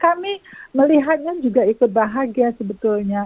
kami melihatnya juga ikut bahagia sebetulnya